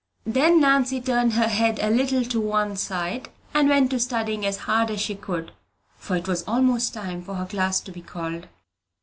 Then Nancy turned her head a little to one side, and went to studying as hard as she could, for it was almost time for her class to be called.